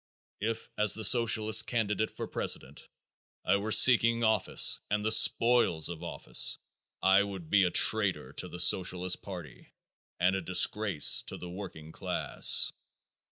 If, as the Socialist candidate for president, I were seeking office and the spoils of office I would be a traitor to the Socialist party and a disgrace to the working class.